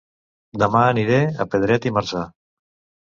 Dema aniré a Pedret i Marzà